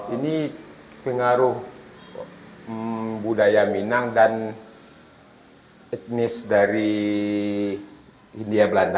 ini pengaruh budaya minang dan etnis dari hindia belanda